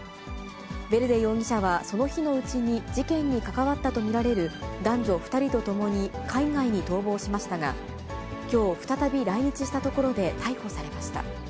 ヴェルデ容疑者は、その日のうちに事件に関わったと見られる男女２人とともに、海外に逃亡しましたが、きょう、再び来日したところで逮捕されました。